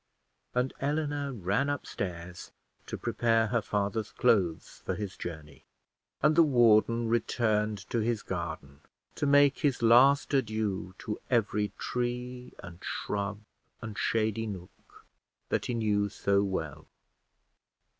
And Eleanor ran upstairs to prepare her father's clothes for his journey; and the warden returned to his garden to make his last adieux to every tree, and shrub, and shady nook that he knew so well.